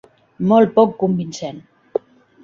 Molt poc convincent!